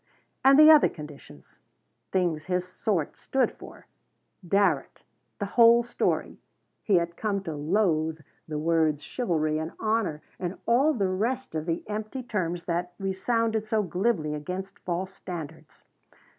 And the other conditions things his sort stood for Darrett the whole story He had come to loathe the words chivalry and honor and all the rest of the empty terms that resounded so glibly against false standards.